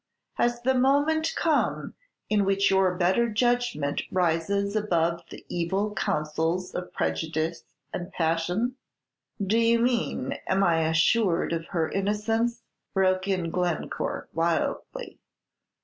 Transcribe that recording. Has the moment come in which your better judgment rises above the evil counsels of prejudice and passion " "Do you mean, am I assured of her innocence?" broke in Glencore, wildly.